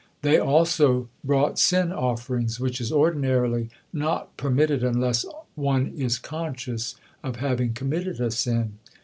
They also brought sin offerings, which is ordinarily not permitted unless on is conscious of having committed a sin.